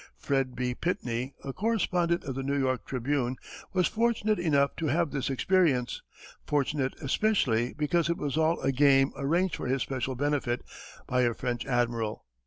Fred B. Pitney, a correspondent of the New York Tribune, was fortunate enough to have this experience, fortunate especially because it was all a game arranged for his special benefit by a French admiral.